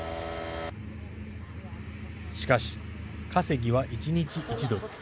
しかし、稼ぎは１日１ドル。